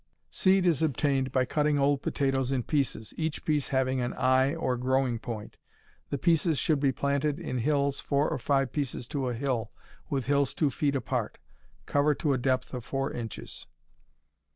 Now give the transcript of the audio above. Seed is obtained by cutting old potatoes in pieces, each piece having an "eye" or growing point. The pieces should be planted in hills, four or five pieces to a hill, with hills two feet apart. Cover to a depth of four inches.